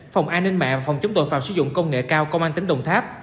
phòng an ninh mạng phòng chống tội phạm sử dụng công nghệ cao công an tỉnh đồng tháp